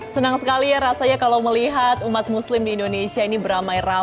senang sekali ya rasanya kalau melihat umat muslim di indonesia ini beramai ramai